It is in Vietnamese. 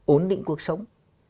ổn định cuộc sống